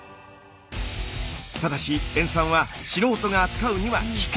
ただし塩酸は素人が扱うには危険。